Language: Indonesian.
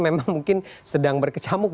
memang mungkin sedang berkecamuk